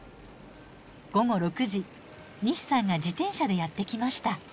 午後６時西さんが自転車でやって来ました。